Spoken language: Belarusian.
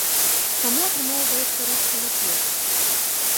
Таму атрымоўваецца рускі напеў.